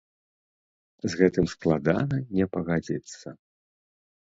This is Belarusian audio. З гэтым складана не пагадзіцца.